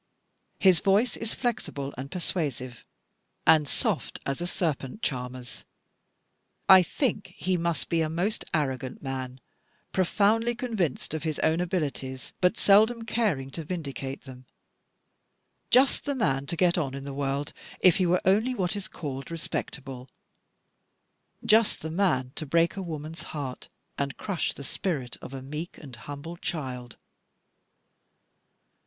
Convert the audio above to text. His voice is flexible and persuasive, and soft as a serpent charmer's. I think he must be a most arrogant man; profoundly convinced of his own abilities, but seldom caring to vindicate them. Just the man to get on in the world, if he were only what is called respectable. Just the man to break a woman's heart, and crush the spirit of a meek and humble child.